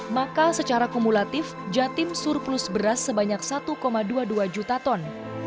maka secara kumulatif jatim surplus beras sebanyak satu dua puluh dua juta ton